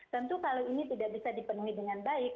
tentu kalau ini tidak bisa dipenuhi dengan baik